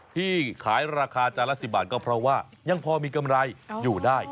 ที่ขายราคาจานละ๑๐บาทก็เพราะว่ายังพอมีกำไรอยู่ได้